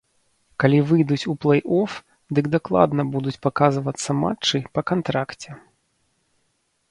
Калі выйдуць у плэй-оф, дык дакладна будуць паказвацца матчы па кантракце.